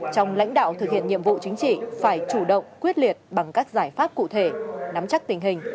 trong lãnh đạo thực hiện nhiệm vụ chính trị phải chủ động quyết liệt bằng các giải pháp cụ thể nắm chắc tình hình